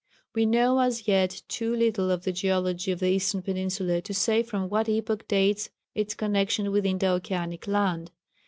We know as yet too little of the geology of the eastern peninsula to say from what epoch dates its connexion with Indo Oceanic land.